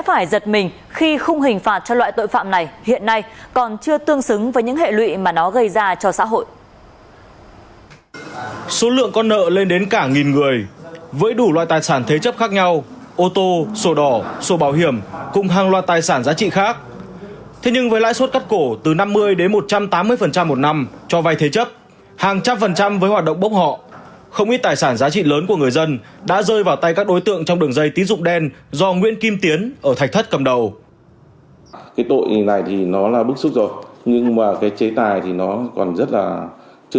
hàng trăm phần trăm với hoạt động bốc họ không ít tài sản giá trị lớn của người dân đã rơi vào tay các đối tượng trong đường dây tín dụng đen do nguyễn kim tiến ở thạch thất cầm đầu